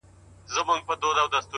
د چا د سترگو د رڼا په حافظه کي نه يم;